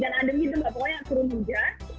dan ada gitu mbak pokoknya turun hujan